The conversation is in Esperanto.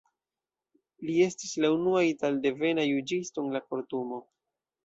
Li estis la unua italdevena juĝisto en la Kortumo.